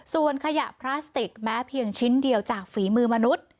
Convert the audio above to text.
ส่วนขยะพลาสติกแม้เพียงชิ้นเดียวจากฝีมือมนุษย์